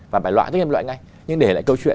và phải loại tức là phải loại ngay